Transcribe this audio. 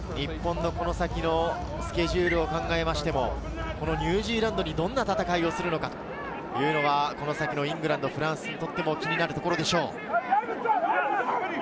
日本のこの先のスケジュールを考えても、ニュージーランドにどんな戦いをするのか、この先のイングランド、フランスにとっても気になるところでしょう。